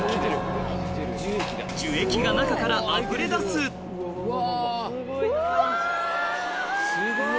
樹液が中からあふれ出すうわ！